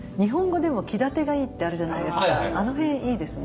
あの辺いいですね。